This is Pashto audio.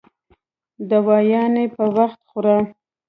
دوايانې په وخت خوره